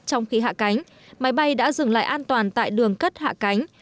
trong khi hạ cánh máy bay đã dừng lại an toàn tại đường cất hạ cánh